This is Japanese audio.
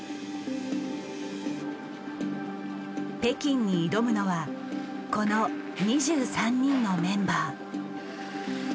北京に挑むのはこの２３人のメンバー。